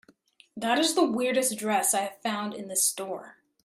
That is the weirdest dress I have found in this store.